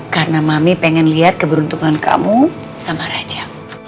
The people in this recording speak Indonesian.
karena mami pengen liat keberuntungan kamu sama raja